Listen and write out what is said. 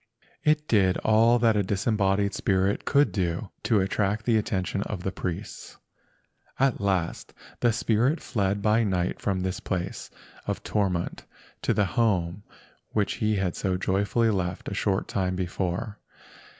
It did all that a disembodied spirit could do to attract the attention of the priests. At last the spirit fled by night from this place of torment to the home which he had so joyfully left a short time before.